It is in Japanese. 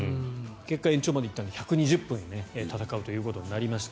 結果、延長まで行って１２０分戦うということになりました。